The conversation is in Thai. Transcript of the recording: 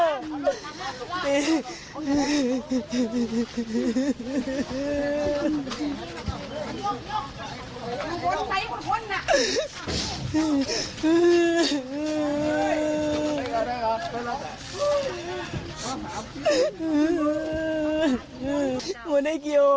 โมนทะเกียวลูกบ้านก็โมนทะเกียวอยู่๑๔อยู่